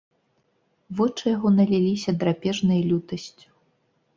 Вочы яго наліліся драпежнаю лютасцю.